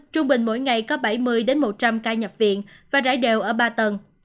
trung bình mỗi ngày có bảy mươi một trăm linh ca nhập viện và rải đều ở ba tầng